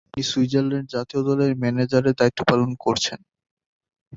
তিনি সুইজারল্যান্ড জাতীয় দলের ম্যানেজারের দায়িত্ব পালন করছেন।